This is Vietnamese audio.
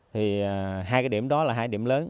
thì hai cái điểm đó là hai điểm lớn